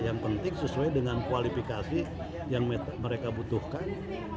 yang penting sesuai dengan kualifikasi yang mereka butuhkan